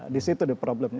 di situ ada problemnya